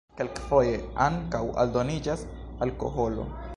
Kelkfoje ankaŭ aldoniĝas alkoholo.